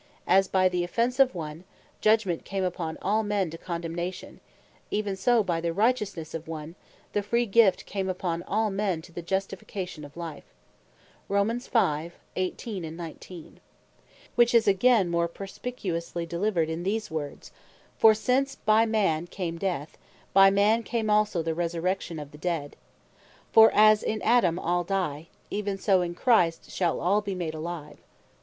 18, 19.) "As by the offence of one, Judgment came upon all men to condemnation, even so by the righteousnesse of one, the free gift came upon all men to Justification of Life." Which is again (1 Cor. 15.21,22) more perspicuously delivered in these words, "For since by man came death, by man came also the resurrection of the dead. For as in Adam all die, even so in Christ shall all be made alive."